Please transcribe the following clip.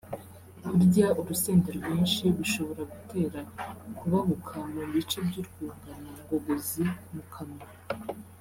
Kurya urusenda rwinshi bishobora gutera kubabuka mu bice by’urwungano ngogozi (mu kanwa